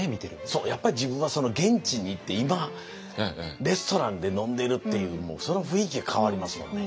そうやっぱり自分はその現地に行って今レストランで飲んでるっていうその雰囲気で変わりますもんね。